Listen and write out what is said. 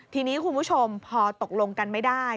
ทีนี้คุณผู้ชมพอตกลงกันไม่ได้